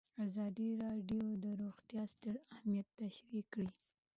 ازادي راډیو د روغتیا ستر اهميت تشریح کړی.